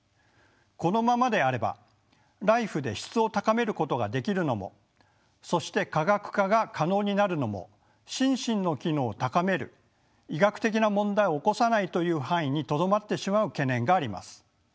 このままであればＬＩＦＥで質を高めることができるのもそして科学化が可能になるのも「心身の機能を高める」「医学的な問題を起こさない」という範囲にとどまってしまう懸念があります。